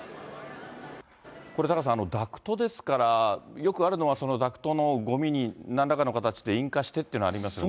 これ、タカさん、ダクトですから、よくあるのは、ダクトのごみになんらかの形で引火してっていうのはありますよね。